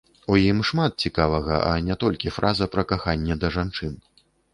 У ім шмат цікавага, а не толькі фраза пра каханне да жанчын.